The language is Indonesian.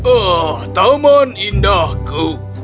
ah taman indahku